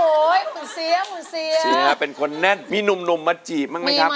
โอ้ยผมเสียผมเสียเป็นคนแน่นมีนมมาจีบบ้างไหมครับ